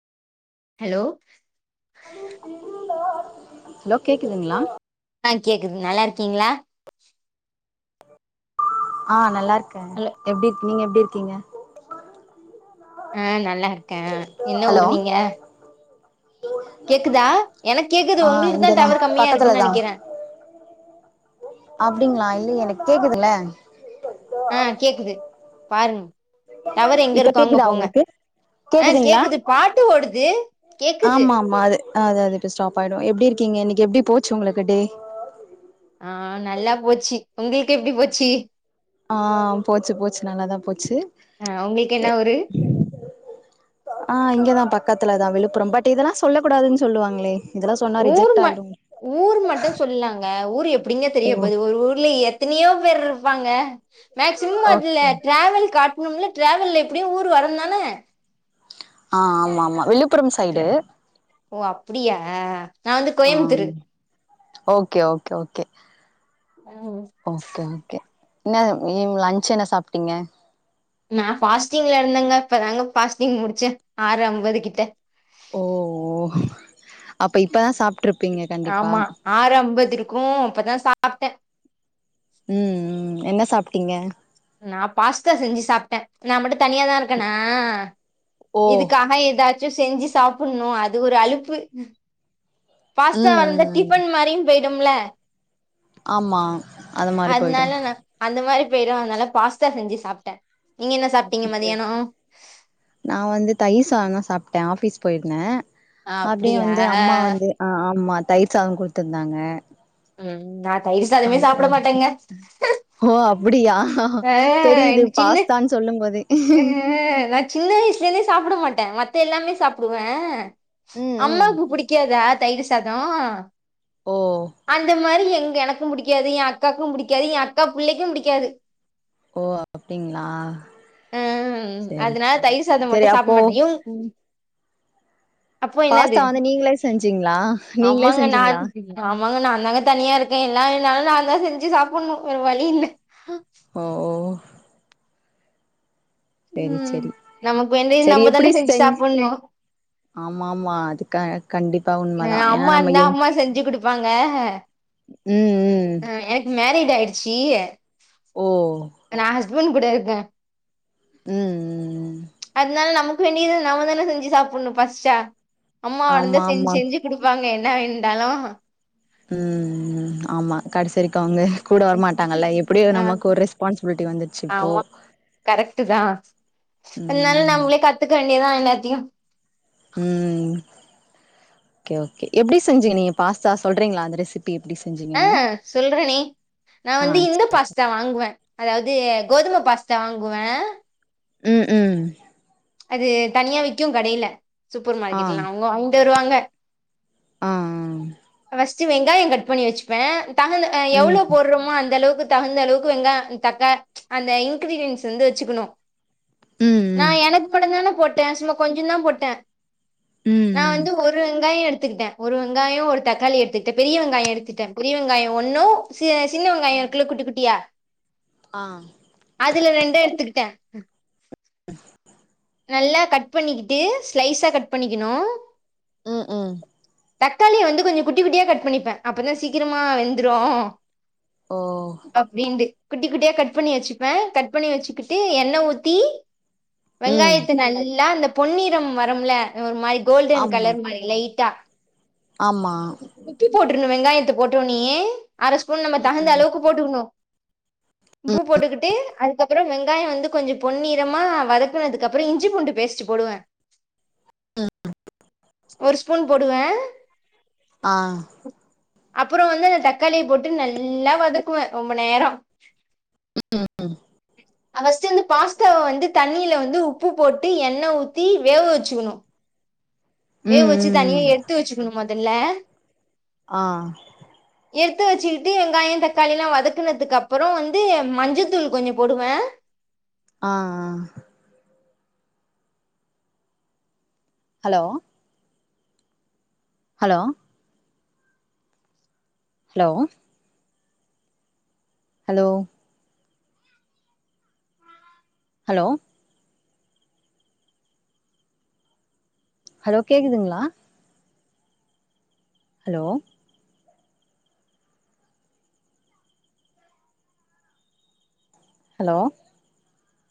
hello hello கேக்குதுங்களா ஆ கேக்குது நல்லா இருக்கீங்களா ஆ நல்லா இருக்கே ஹலோ எப்டி நீங்க எப்டி இருக்கீங்க ஆ நல்லா இருக்கே என்ன ஹலோ ஊரு நீங்க கேக்குதா எனக்கு கேக்குது ஆ உங்களுக்கு தா இங்கதா டவர் கம்மியா இருக்குன்னு நினைக்கிறே அப்படிங்களா இல்ல எனக்கு கேக்குதுல ஆ கேக்குது பாருங்க டவரு எங்க இப்ப இருக்கோ அங்க கேக்குதா போங்க உங்களுக்கு அ கேக்குதுங்களா கேக்குது பாட்டு ஓடுது கேக்குது ஆ அது அது இப்ப ஸ்டாப் ஆயிடு எப்டி இருக்கீங்க இன்னைக்கு எப்டி போச்சு உங்களுக்கு டே ஆ நல்லா போச்சி உங்களுக்கு எப்டி போச்சி ஆ போச்சு போச்சு நல்லாதா போச்சு ஆ உங்களுக்கு எ என்ன ஊரு ஆ இங்கதா பக்கத்துலதா விழுப்புரம் பட் இதெல்லா சொல்ல கூடாதுன்னு சொல்லுவாங்ளே ஊர் ம ஊர் மட்டு சொல்லலங்க ஊர் எப்டிங்க தெரிய ஓ போது ஒரு ஊர்ல எத் தனையோ பேர் இருப்பாங்க மேக்சிமம் அது ஓகே டிராவல் காட் [unintelligible] ட்ரவல்ல எப்டியு ஊர் வருந்தானே ஆ ஆமா ஆமா விழுப் ஓ அப்டியா நா வந்து ஆ கோயம்புத்துரு ஓகே ஓகே ஓகே ம் ஓகே ஓகே என்ன ஈவ் லன்ச்சு என்ன சாப்ட்டீங்க நா ஃபாஸ்டிங்ல இருந்தங்க இப்பதாங்க பாஸ்டிங் முடிச்சே ஆறு அம்பது கிட்ட ஓ ஓ அப்ப இப்பதா சாப்ட்ருப்ப ஆமா ஆறு அம்பது இருக்கு அப்பதா சாப்ட்டே ம் ம் என்ன சாப்ட்டீங்க நா பாஸ்தா செஞ்சு சாப்ட்டே நா மட்டு தனியா தா இருக்கேனா ஓ இதுக்காக ஏதாச்சு செஞ்சு சாப்புட்ணு அது ஒரு அழுப்பு பாஸ்தா வா ம் இருந்த ம் டிஃபன் மாரியு பொய்டும்ல ஆமா அது மாரி போயிடு அதுனால ந அந்த மாரி பெய்ரு அதனால பாஸ்தா செஞ்சு சாப்ட்டே நீங்க என்ன சாப்ட்டீங்க ஓகே மதியானோ நா வந்து தயிர் சாதோதா சாப்ட்டே ஆபிஸ் பொயிருந்தே அப்டியே அப்டியா வந்து அம்மா வந்து அ ஆமா தயிர் சாதோ குடுத்துருந்தாங்க ம் நா தயிர் சாதமே அப்டியா சாப்ட மாட்டேங்க ஓ அப்டியா ஆ தெரியுது பாஸ்தானு சொல்லு போதே அ நா சின்ன வயசுலந்தே சாப்ட மாட்டே மத்த எல்லாமே சாப்டுவே ம் ம் அம்மாவுக்கு புடிக்காதா தயிர் சாதோ ஓ அந்த மாரி எங்க எனக்கு புடிக் காது எ அக்காக்கு புடிக்காது எ அக்கா புள்ளைக்கு புடிக்காது ஓ அப்டிங்ளா ம் அதனால தயிர் சாதோ சரி மட்டு சாப்பிட அப்போ மாட்டே அப்போ என்னது பாஸ்தா வந்து நீங்ளே செஞ்சீங்ளா நீங்ளே ஆமாங்க நா செஞ்சீங்ளா ஆமாங்க நாந்தாங்க தனியா இருக்கே என்னா வேனாலு நாந்தா செஞ்சு சாப்ட்னு வேற வழி இல்ல ஓ ஓ சேரி ம் சேரி நமக்கு வேண்டியது சேரி நம்ம தான எப்டி செஞ்சு செஞ்சி சாப்புட்ணு ஆம் ஆமா அதுக்க அம்மா இருந்தா அம்மா செஞ்சு குடுப்பாங்க ம் ம் எனக் மேரேஜ் ஆய்டுச்சு ஓ நா ஹஸ்பண்ட் கூட இருக்கே ம் ம் ம் அதுனால நமக்கு வேண்டியத நம்ம தானே செஞ்சு சாப்புட்ணு பாசிச்சா அம்மா வந்து ஆமா செஞ்சு ஆமா செஞ்சு குடுப்பாங்க என்ன வேண்டாலு ம் ஆமா கடைசி வரைக்கு அவுங்க கூட வரமாட்டாங்கல்ல எப்டியு ஆ நமக்கு ஒரு ரெஸ்பான்சிபிலிட்டி வந்துட்ச்சு இப்போ கரெக்ட் தா அதுனால ம் நம்ளே கத்துக்க வேண்டியதா எல்லாத்யு ம் ஓகே ஓகே எப்டி செஞ்சீங்க நீங்க பாஸ்தா சொல்றீங்ளா அந்த ரெசிபி ரெசிப்பி எப்டி செஞ்சி அ சொல்றனே நா ஆ வந்து இந்த பாஸ் த்தா வாங்வே அதாவது கோதும பாஸ்த்தா வாங்குவ ம் ம் அது தனியா விக்கிகு கடைல சூப்பர் ஆ மார்க்கெட்லா அவுங் அவுங்க தருவாங்க அ அ ஃபஸ்ட்டு வெங்காயோ கட் பண்ணி வச்சுப்பே டங்குனு ம் எவ்ளோ ம் போட்றோமோ அந்தளவுக்கு தகுந்த அளவுக்கு வெங்காயொ தக்க அந்த இன்கிரீடியன்ஸ் வந்து வச்சுக்கணு நா ம் எனக்கு மட்டுந்தான போட்டே சும்மா கொஞ்சொதா போட்டே நா ம் வந்து ஒர் ஒரு வெங்காயொ எடுத்துக்கிட்டே ஒரு வெங்காயோ ஒரு தக்காளி எடுத்துக்ட்டு பெரிய வெங்காயோ எடுத்துட்டே பெரிய வெங்காயோ ஒன்னூ சி சின்ன வெங்காயோ இருக்குல குட்டி குட்டியா ஆஹ் அதுல ரெண்டு எடுத்துகிட்டே [inaudible] நல்லா கட் பண்ணிக்கிட்டு ஸ்லைஸா கட் பண்ணிக்கணூ ம் ம் தக்காளிய வந்து கொஞ்சொ குட்டி குட்டியா கட் பண்ணிப்பெ அப்பதா சீக்கிரமா வெந்துரூ ஓ அப்டின்டு குட்டி குட்டியா கட் பண்ணி வெச்சிப்பே கட் பண்ணி வெச்சுக்கிட்டு எண்ணெ ஊத்தீ ம் வெங்காயத்த நல்லா அந்த பொன்னிறம் வரம்ல ஒரு மாறி கோல்டன் ஆமா கலர் மாறி லைட்டா ஆமா உப்பு போட்ருங்க வெங்காயத்த போட்டவொனேயே அரஸ்பூன் நம்ம தகுந்த அளவுக்கு போட்டுக்குணூ உப்பு ம் போட்டுகுட்டூ அதுக்கப்பறோ வெங்காயோ வந்து கொஞ்சொ பொன் நிறமா வதக்குனதுக்கப் அப்புறொ இ்ஞ்சிப்பூண்டு பேஸ்ட்டு போடுவே ஒரு ஸ்பூன் போடுவே ஆ அப்பறோ வந்து அந்த தக்காளிய போட்டு நல்லா வதக்குவே ரொம்ப நேரோ ம் ம் அவஸ்ட்டு வந்து பாஸ்தாவ வந்து தண்ணியில வந்து உப்பு போட்டு எண்ண ஊத்தி வேவ வச்சுக்கணூ வேவ ம் வச்சி ம் தனியா ம் எடுத்து வச்சுக்கணு மொதல்ல ஆஹ் எடுத்து வச்சுகிட்டு வெங்காயோ தக்காளிலா வதக்குனதுக்கு அப்பறோ வந்து மஞ்சத்தூள் கொஞ்சொ போடுவே ஆஹ் ஆஹ் hello hello hello hello hello hello கேக்குதுங்ளா ஹலோ ஹலோ